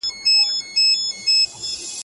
خو احمق سلطان جامې نه وې ليدلي.